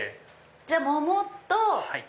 じゃあ桃と。